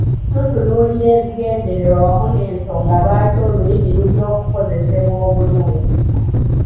Tutunuulira ebigendererwa wamu n'ensonga lwaki olulimi lulina okukozesebwa obulungi.